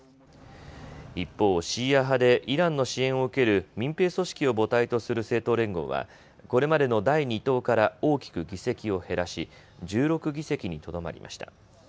一方、シーア派でイランの支援を受ける民兵組織を母体とする政党連合は、これまでの第２党から大きく議席を減らし１６議席にとどまりました。